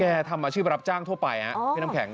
ทำอาชีพรับจ้างทั่วไปพี่น้ำแข็ง